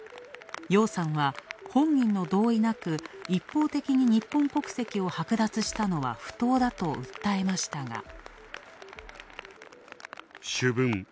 楊さんは本人の同意なく一方的に日本国籍を剥奪したのは不当だと訴えましたが。